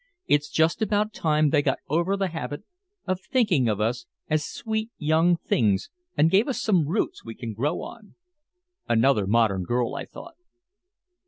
It's just about time they got over the habit of thinking of us as sweet, young things and gave us some roots we can grow on." Another modern girl, I thought.